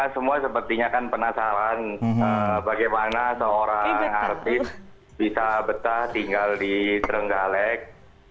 semua sepertinya kan penasaran bagaimana seorang artis bisa betah tinggal di trenggalek